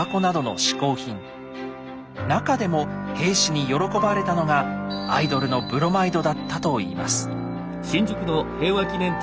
なかでも兵士に喜ばれたのがアイドルのブロマイドだったといいます。